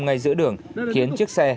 ngay giữa đường khiến chiếc xe